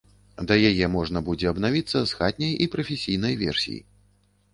Да яе можна будзе абнавіцца з хатняй і прафесійнай версій.